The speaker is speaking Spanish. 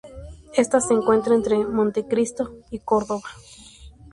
Esta se encuentra entre Montecristo y Córdoba.